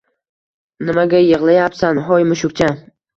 Nimaga yigʻlayapsan, hoy mushukcha